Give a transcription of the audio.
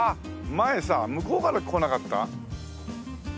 前さ向こうから来なかった？